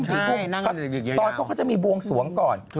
ที่พรุ่งตอนเขาก็จะมีวงสวงก่อน